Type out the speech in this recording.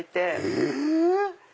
え